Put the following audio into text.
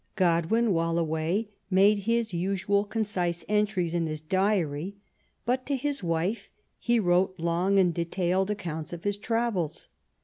Godwin, while away, made his usual concise entries in his diary, but to his wife he wrote long and detailed ac counts of his travels.